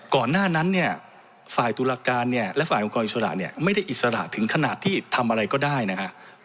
ก่อนหน้านั้นเนี่ยฝ่ายตุลาการเนี่ยและฝ่ายองค์กรอิสระเนี่ยไม่ได้อิสระถึงขนาดที่ทำอะไรก็ได้นะครับ